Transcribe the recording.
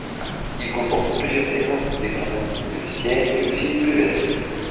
Il comporte plusieurs terrains, des gradins, des vestiaires et aussi une buvette.